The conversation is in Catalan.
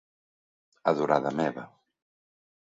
-Adorada meva!